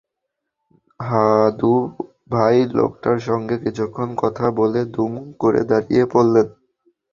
হাদু ভাই লোকটার সঙ্গে কিছুক্ষণ কথা বলে দুম করে দাঁড়িয়ে পড়লেন।